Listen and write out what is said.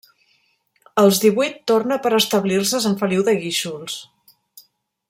Als divuit torna per establir-se a Sant Feliu de Guíxols.